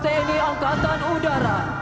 tni angkatan udara